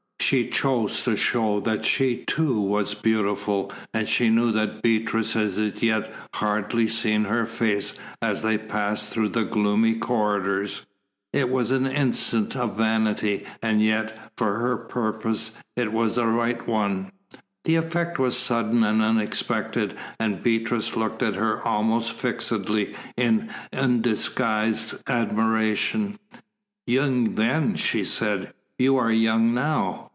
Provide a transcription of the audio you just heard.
She chose to show that she, too, was beautiful, and she knew that Beatrice had as yet hardly seen her face as they passed through the gloomy corridors. It was an instinct of vanity, and yet, for her purpose, it was the right one. The effect was sudden and unexpected, and Beatrice looked at her almost fixedly, in undisguised admiration. "Young then!" she exclaimed. "You are young now!"